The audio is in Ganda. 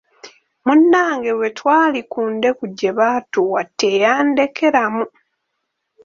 Munnange bwe twali ku ndeku gye baatuwa teyandekeramu.